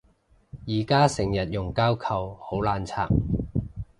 而家成日用膠扣好難拆